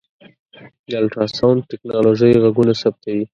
د الټراسونډ ټکنالوژۍ غږونه ثبتوي.